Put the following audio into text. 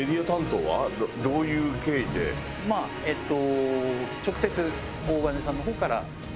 まあえっと。